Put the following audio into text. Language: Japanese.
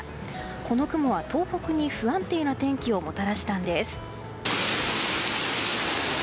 この雲は東北に不安定な天気をもたらしたんです。